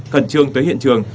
khẩn trương tới hiện trường